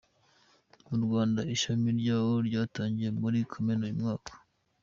Mu Rwanda, ishami ryawo, ryatangijwe muri Kamena uyu mwaka.